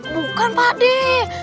bukan pak deh